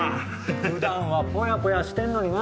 普段はぽやぽやしてんのにな。